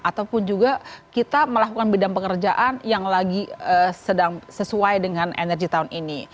ataupun juga kita melakukan bidang pengerjaan yang lagi sedang sesuai dengan energi tahun ini